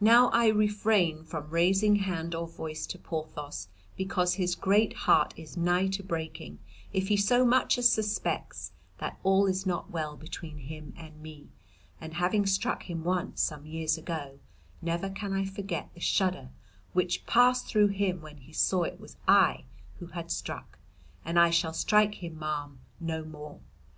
"Now I refrain from raising hand or voice to Porthos because his great heart is nigh to breaking if he so much as suspects that all is not well between him and me, and having struck him once some years ago never can I forget the shudder which passed through him when he saw it was I who had struck, and I shall strike him, ma'am, no more.